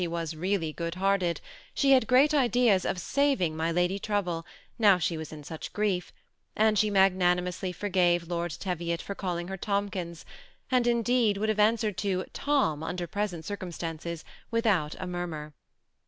was really good hearted, she had great ideas of saving mj lady trouble, now she was in such grief; and she magnanimonslj forgave Lord Teviot for calling her Tomkins, and, indeed, would have answered to ^ Tom,'' under present circumstances, without a murmur.